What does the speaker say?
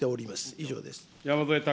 以上です。